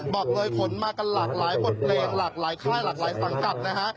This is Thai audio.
บอกเลยขนมากันหลากหลายบทเพลงหลากหลายค่ายหลากหลายสังกัดนะฮะ